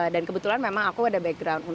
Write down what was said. dan kebetulan memang aku ada background